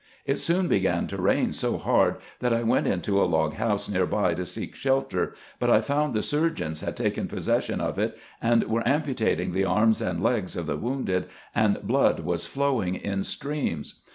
It soon began to rain so hard that I went into a log house near by to seek shelter ; but I found the surgeons had taken possession of it, and were am putating the arms and legs of the wounded, and blood was flowing in streams.